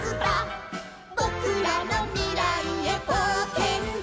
「ぼくらのみらいへぼうけんだ」